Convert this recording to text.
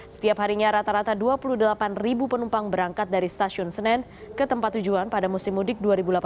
setiap harinya rata rata dua puluh delapan penumpang berangkat dari stasiun senen ke tempat tujuan pada musim mudik dua ribu delapan belas